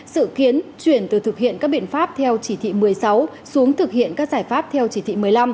sự kiến chuyển từ thực hiện các biện pháp theo chỉ thị một mươi sáu xuống thực hiện các giải pháp theo chỉ thị một mươi năm